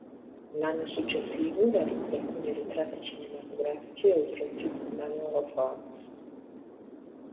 L'anno successivo realizza alcuni ritratti cinematografici oltre al film "Manual of Arms".